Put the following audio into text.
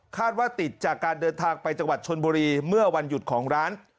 ว่าติดจากการเดินทางไปจังหวัดชนบุรีเมื่อวันหยุดของร้าน